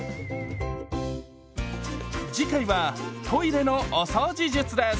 次回はトイレのお掃除術です。